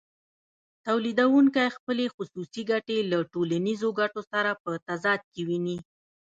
تولیدونکی خپلې خصوصي ګټې له ټولنیزو ګټو سره په تضاد کې ویني